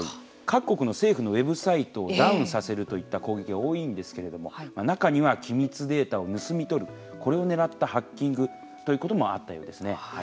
各国の政府のウェブサイトをダウンさせるといった攻撃が多いんですけれども中には、機密データを盗み取るこれをねらったハッキングということもあったようですね。